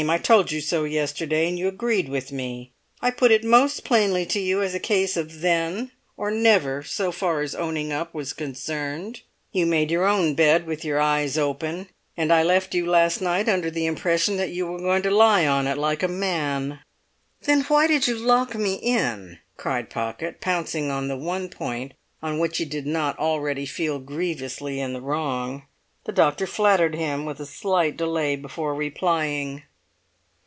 I told you so yesterday, and you agreed with me. I put it most plainly to you as a case of then or never so far as owning up was concerned. You made your own bed with your eyes open, and I left you last night under the impression that you were going to lie on it like a man." "Then why did you lock me in?" cried Pocket, pouncing on the one point on which he did not already feel grievously in the wrong. The doctor flattered him with a slight delay before replying.